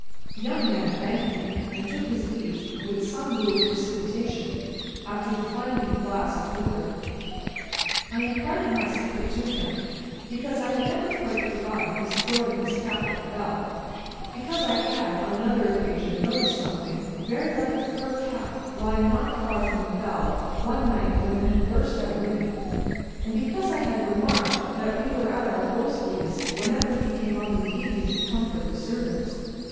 The young man thanked me, and took his leave with some little precipitation, after declining a glass of liquor. I imparted my secret to him, because I had never quite forgotten his throwing his cap at the bell; because I had, on another occasion, noticed something very like a fur cap, lying not far from the bell, one night when it had burst out ringing; and because I had remarked that we were at our ghostliest whenever he came up in the evening to comfort the servants.